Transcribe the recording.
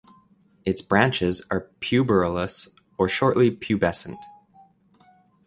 Its branches are puberulous or shortly pubescent.